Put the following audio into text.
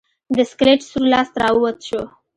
د سکلیټ سور لاس راوت شو.